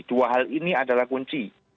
dua hal ini adalah kunci